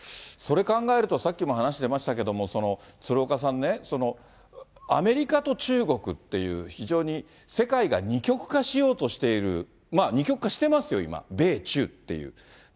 それ考えると、さっきも話出ましたけれども、鶴岡さんね、アメリカと中国っていう非常に世界が二極化しようとしている、二極化してますよ、今、米中っていう。